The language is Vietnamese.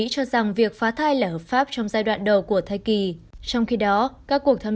cho rằng việc phá thai là hợp pháp trong giai đoạn đầu của thai kỳ trong khi đó các cuộc tham